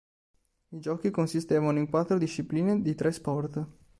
I giochi consistevano in quattro discipline di tre sport.